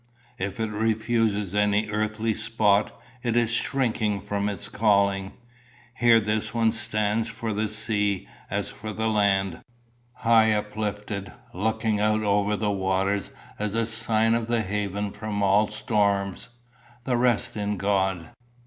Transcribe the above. If it refuses any earthly spot, it is shrinking from its calling. Here this one stands for the sea as for the land, high uplifted, looking out over the waters as a sign of the haven from all storms, the rest in God.